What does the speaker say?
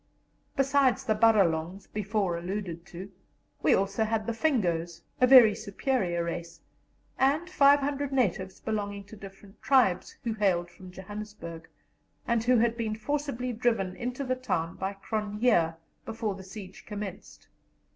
Besides the Baralongs before alluded to, we had also the Fingos, a very superior race, and 500 natives belonging to different tribes, who hailed from Johannesburg, and who had been forcibly driven into the town by Cronje before the siege commenced.